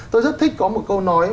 tôi rất thích có một câu nói